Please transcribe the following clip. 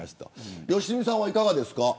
良純さんはいかがですか。